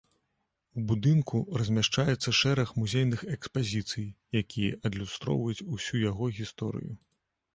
У будынку размяшчаецца шэраг музейных экспазіцый, якія адлюстроўваюць ўсю яго гісторыю.